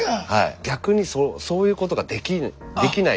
逆にそういうことができない。